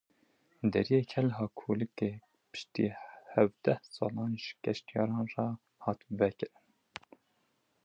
Deriyê Kelha Kolikê piştî hevdeh salan ji geştyaran re hat vekirin.